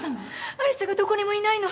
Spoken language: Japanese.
有沙がどこにもいないの！